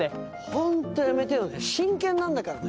ホントやめてよね真剣なんだからね。